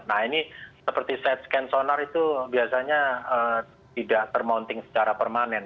nah ini seperti side scan sonar itu biasanya tidak termounting secara permanen